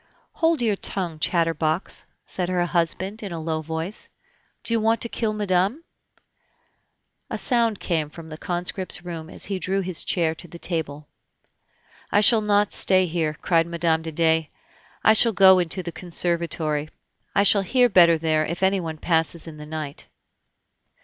"Hold your tongue, chatterbox," said her husband, in a low voice; "do you want to kill madame?" A sound came from the conscript's room as he drew his chair to the table. "I shall not stay here," cried Mme. de Dey; "I shall go into the conservatory; I shall hear better there if anyone passes in the night."